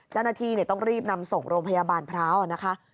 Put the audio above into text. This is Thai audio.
เจ้าหน้าที่ต้องรีบนำส่งโรงพยาบาลพร้าวนะคะ